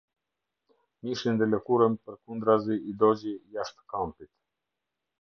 Mishin dhe lëkurën përkundrazi i dogji jashtë kampit.